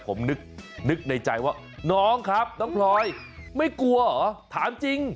ผมนึกในใจว่าน้องครับน้องพลอยไม่กลัวเหรอถามจริง